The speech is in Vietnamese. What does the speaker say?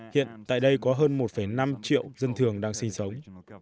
hiện tại đây có hơn một năm triệu dân thường đang sinh sống